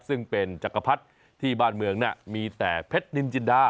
ซึ่งเป็นจักรพรรดิที่บ้านเมืองน่ะมีแต่เพชรนินจินดา